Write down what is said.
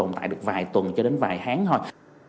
họ chỉ tồn tại được vài tuần cho đến vài tháng thôi